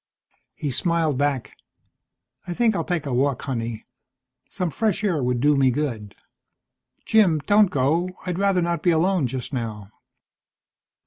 He smiled back. "I think I'll take a walk, honey. Some fresh air would do me good." "Jim, don't go. I'd rather not be alone just now."